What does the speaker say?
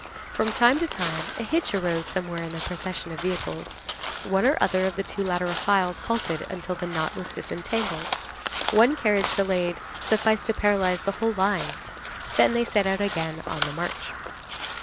From time to time, a hitch arose somewhere in the procession of vehicles; one or other of the two lateral files halted until the knot was disentangled; one carriage delayed sufficed to paralyze the whole line. Then they set out again on the march.